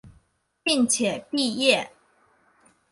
并且毕业。